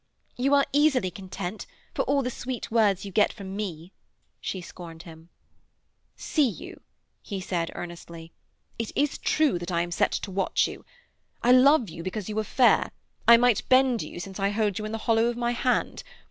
'You are easily content, for all the sweet words you get from me,' she scorned him. 'See you,' he said earnestly. 'It is true that I am set to watch you. I love you because you are fair; I might bend you, since I hold you in the hollow of my hand.